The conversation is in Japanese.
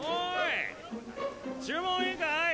注文いいかい？